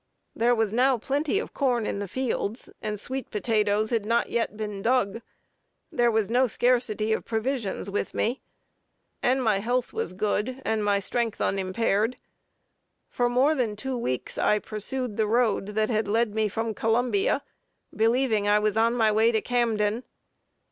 There was now plenty of corn in the fields, and sweet potatoes had not yet been dug. There was no scarcity of provisions with me, and my health was good, and my strength unimpaired. For more than two weeks I pursued the road that had led me from Columbia, believing I was on my way to Camden.